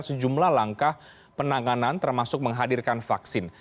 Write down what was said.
sejumlah langkah penanganan termasuk menghadirkan vaksin